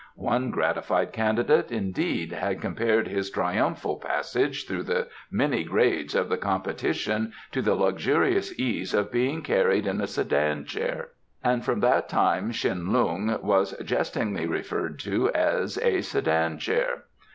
One gratified candidate, indeed, had compared his triumphal passage through the many grades of the competition to the luxurious ease of being carried in a sedan chair, and from that time Tsin Lung was jestingly referred to as a "sedan chair."